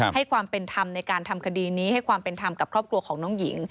ให้ความเป็นธรรมในการทำคดีนี้ให้ความเป็นธรรมกับครอบครัวของน้องหญิง